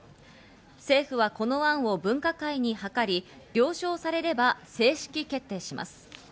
政府はこの案を分科会に諮り、了承されれば正式決定します。